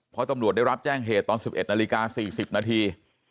เพราะตำรวจได้รับแจ้งเหตุตอน๑๑นาฬิกา๔๐นาที